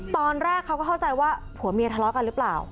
ตอนแรกเขาก็เข้าใจว่าผัวเมียทะเลาะกันหรือเปล่า